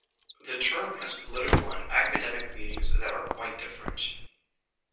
The term has political and academic meanings that are quite different.